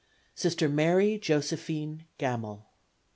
Sister Mary Josephine Gamel.